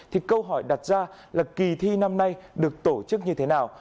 thì câu hỏi đặt ra là kỳ thi năm nay được tổ chức như thế nào